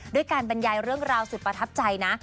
ด้วยการบรรยายเรื่องราวสุดประทับใจนะ